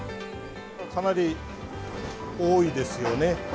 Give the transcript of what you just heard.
かなり多いですよね。